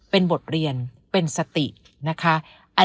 เป็นบทเรียนเป็นสตินะคะ